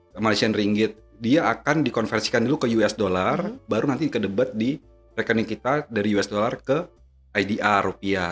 di malaysia ringgit dia akan dikonversikan dulu ke usd baru nanti dikedebat di rekening kita dari usd ke idr rupiah